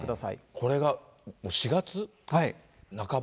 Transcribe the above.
これが４月半ば？